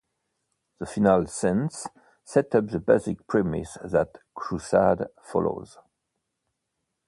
The final scenes set up the basic premise that "Crusade" follows.